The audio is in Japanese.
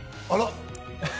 あら？